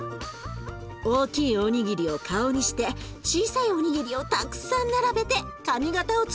大きいおにぎりを顔にして小さいおにぎりをたくさん並べて髪形をつくります。